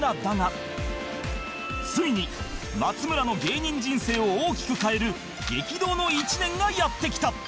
ついに松村の芸人人生を大きく変える激動の１年がやって来た